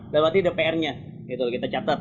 berarti ada pr nya kita catat